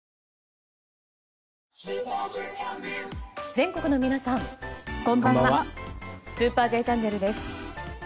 全国の皆さん、こんばんは「スーパーＪチャンネル」です。